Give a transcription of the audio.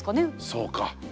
そうか。